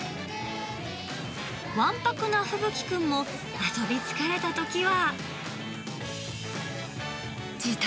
わんぱくなフブキくんも、遊び疲れたときは。